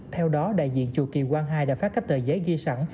theo đó đại diện chùa kỳ quang hai đã phát các tờ giấy ghi sẵn